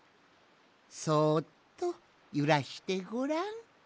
そっとゆらしてごらん。